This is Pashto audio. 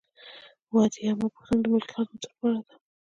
اووه اتیا یمه پوښتنه د ملکي خدمتونو په اړه ده.